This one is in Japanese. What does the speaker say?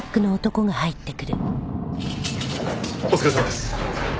お疲れさまです。